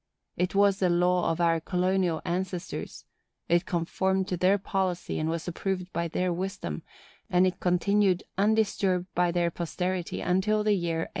It was the law of our colonial ancestors; it conformed to their policy and was approved by their wisdom, and it continued undisturbed by their posterity until the year 1821.